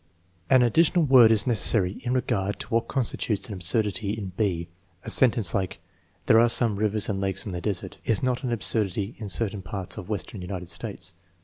An additional word is necessary in regard to what con stitutes an absurdity in (i). A sentence like " There are some rivers and lakes in the desert " is not an absurdity in certain parts of Western United States.